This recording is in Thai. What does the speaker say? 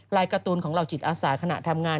การ์ตูนของเหล่าจิตอาสาขณะทำงาน